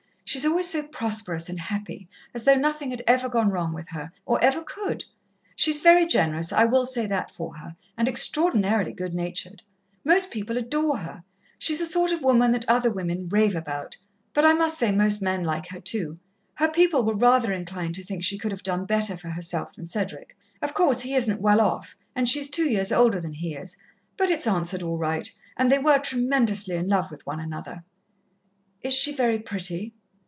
She's always so prosperous and happy, as though nothing had ever gone wrong with her, or ever could. She's very generous, I will say that for her and extraordinarily good natured. Most people adore her she's the sort of woman that other women rave about, but I must say most men like her, too. Her people were rather inclined to think she could have done better for herself than Cedric. Of course, he isn't well off, and she's two years older than he is. But it's answered all right, and they were tremendously in love with one another." "Is she very pretty?"